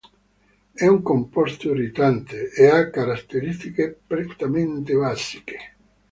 È un composto irritante e ha caratteristiche prettamente basiche.